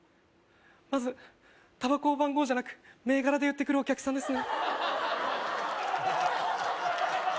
まずタバコを番号じゃなく銘柄で言ってくるお客さんですね